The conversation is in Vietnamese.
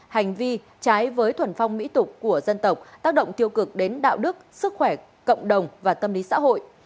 hành vi trái với thuần phong mỹ tục của dân tộc tác động tiêu cực đến đạo đức sức khỏe cộng đồng và tâm lý xã hội